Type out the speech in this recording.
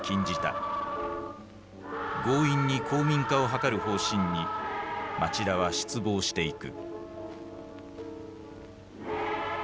強引に皇民化を図る方針に町田は失望していく。